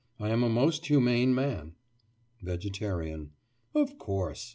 I am a most humane man. VEGETARIAN: Of course.